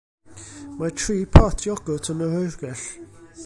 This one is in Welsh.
Mae tri pot iogwrt yn yr oergell.